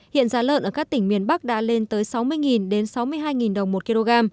hiện giá lợn ở các tỉnh miền bắc đã lên tới sáu mươi đến sáu mươi hai đồng một kg